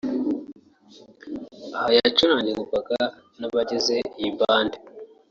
Aha yacurangirwaga n’abagize iyi band